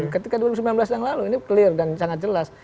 ketika dua ribu sembilan belas yang lalu ini clear dan sangat jelas